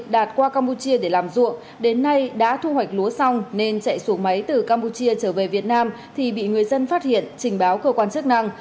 đạt qua campuchia để làm ruộng đến nay đã thu hoạch lúa xong nên chạy xuống máy từ campuchia trở về việt nam thì bị người dân phát hiện trình báo cơ quan chức năng